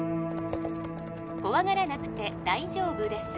怖がらなくて大丈夫です